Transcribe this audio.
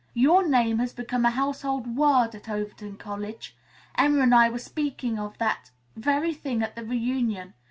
Your name has become a household word at Overton College. Emma and I were speaking of that very thing at the reunion.